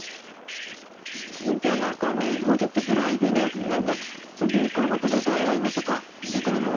詩人というのは何かあのもうちょっと無頼でね何か流行語とか外来語とかそれから